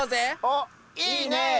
おっいいね！